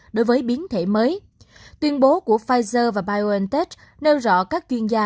đối với biến thể mới tuyên bố của pfizer và biontech nêu rõ các chuyên gia